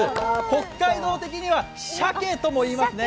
北海道的にはシャケともいいますね。